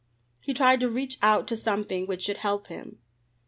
He tried to reach out to something which should help him.